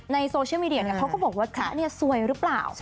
โซเชียลมีเดียเขาก็บอกว่าพระเนี่ยซวยหรือเปล่า